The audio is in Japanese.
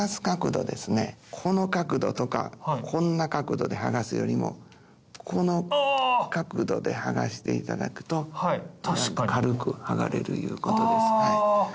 この角度とかこんな角度で剥がすよりもこの角度で剥がしていただくと軽く剥がれるいうことです。